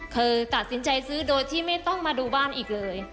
เคยตัดสินใจซื้อโดยที่ไม่ต้องมาดูบ้านอีกเลย